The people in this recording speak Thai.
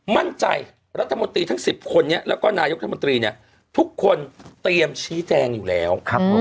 มั่นใจรัฐมนตรีทั้ง๑๐คนนี้แล้วก็นายกรัฐมนตรีเนี่ยทุกคนเตรียมชี้แจงอยู่แล้ว